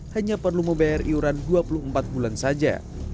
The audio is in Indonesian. hanya perlu membayar iuran dua puluh empat bulan saja